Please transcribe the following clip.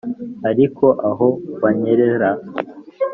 ariko aho wanyerera